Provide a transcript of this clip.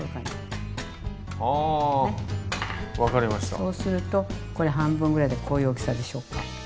そうするとこれ半分ぐらいでこういう大きさでしょうか。